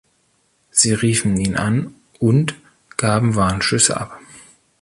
Sie riefen ihn an und gaben Warnschüsse ab.